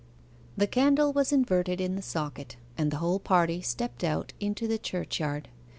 The candle was inverted in the socket, and the whole party stepped out into the churchyard.